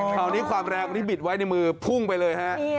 เปลี่ยนความแรงบิดไว้ในมือพุ่งไปเลยฮะ